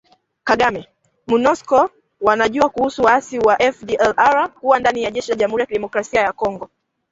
Kagame: Monusco wanajua kuhusu waasi wa FDLR kuwa ndani ya jeshi la Jamuhuri ya Kidemokrasia ya Kongo